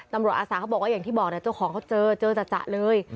ตำรวจอาสาเขาบอกว่าอย่างที่บอกเนี่ยเจ้าของเขาเจอเลย